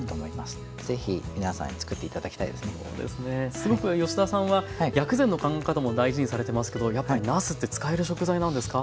すごく吉田さんは薬膳の考え方も大事にされてますけどやっぱりなすって使える食材なんですか？